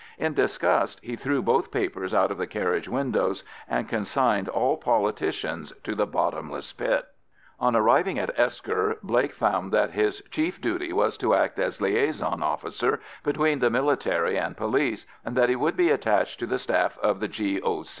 In disgust he threw both papers out of the carriage windows, and consigned all politicians to the bottomless pit. On arriving at Esker, Blake found that his chief duty was to act as liaison officer between the military and police, and that he would be attached to the staff of the G.O.